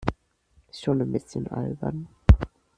Schon ein bisschen albern.